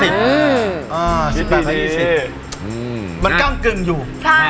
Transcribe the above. มันกั้งกึงอยู่